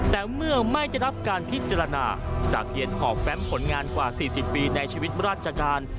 แต่เมื่อไม่จะรับการพิจารณาจากหญิงขอแฟ้มผลงานกว่า๔๐ปีในชีวิตรัจจาการ